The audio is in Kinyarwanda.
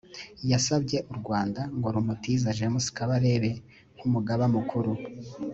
yasabye u rwanda ngo rumutize james kabarebe nk’umugaba mukuru